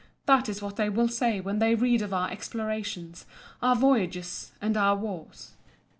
That is what they will say when they read of our explorations, our voyages, and our wars.